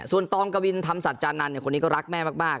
ส่วนตรงกะวินทำศราจานนันต์เนี่ยคนนี้ก็รักแม่มาก